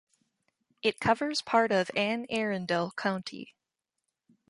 It covers part of Anne Arundel County.